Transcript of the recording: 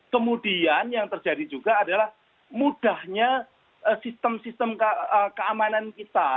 kemudian yang terjadi juga adalah mudahnya sistem sistem keamanan kita